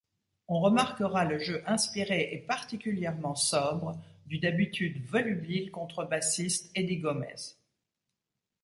On remarquera le jeu inspiré et particulièrement sobre du d'habitude volubile contrebassiste Eddie Gomez.